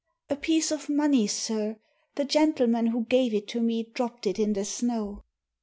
"A piece of money, sir. The gentleman who gave it to me dropped it in the snow."